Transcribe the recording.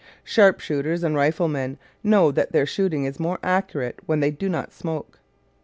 Sharp shooters and riflemen know that their shooting is more accurate when they do not smoke.